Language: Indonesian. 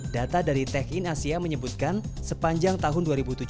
data dari tech in asia menyebutkan sepanjang tahun dua ribu tujuh belas